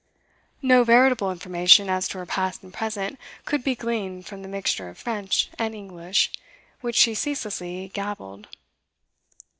No veritable information as to her past and present could be gleaned from the mixture of French and English which she ceaselessly gabbled.